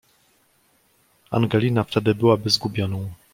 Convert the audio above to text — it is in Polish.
"Angelina wtedy byłaby zgubioną."